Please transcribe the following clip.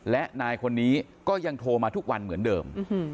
และนายคนนี้ก็ยังโทรมาทุกวันเหมือนเดิม